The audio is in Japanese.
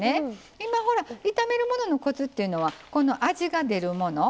今ほら炒めるもののコツっていうのは味が出るもの